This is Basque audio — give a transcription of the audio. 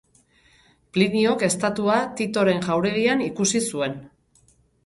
Pliniok estatua Titoren jauregian ikusi zuen.